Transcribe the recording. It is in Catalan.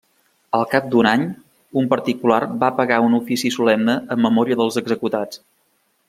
Al cap d'un any un particular va pagar un ofici solemne en memòria dels executats.